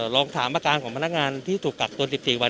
ลองถามอาการของพนักงานที่ถูกกักตัว๑๔วัน